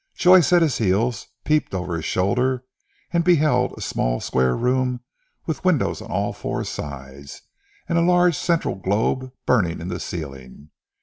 Joyce at his heels peeped over his shoulder and beheld a small square room with windows on all four sides, and a large central globe burning in the ceiling.